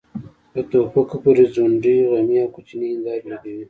په ټوپکو پورې ځونډۍ غمي او کوچنۍ هيندارې لګوي.